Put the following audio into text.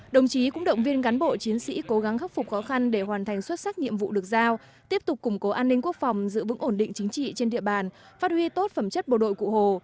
đồng chí cũng động viên cán bộ chiến sĩ cố gắng khắc phục khó khăn để hoàn thành xuất sắc nhiệm vụ được giao tiếp tục củng cố an ninh quốc phòng giữ vững ổn định chính trị trên địa bàn phát huy tốt phẩm chất bộ đội cụ hồ